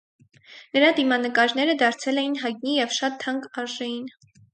Նրա դիմանկարները դարձել էին հայտնի և շատ թանկ արժեին։